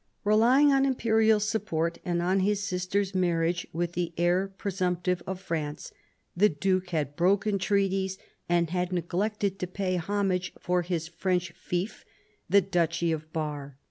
Relying on imperial support and on his sister's marriage with the heir presumptive of France, the Duke had broken treaties and had neglected to pay homage for his French fief, the duchy of Bar.